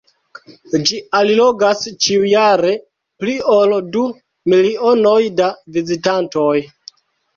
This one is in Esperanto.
Ĝi allogas ĉiujare pli ol du milionoj da vizitantoj.